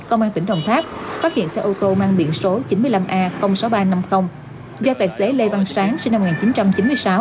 công an tỉnh đồng tháp phát hiện xe ô tô mang biển số chín mươi năm a sáu nghìn ba trăm năm mươi do tài xế lê văn sáng sinh năm một nghìn chín trăm chín mươi sáu